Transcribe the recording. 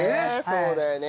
そうだよね。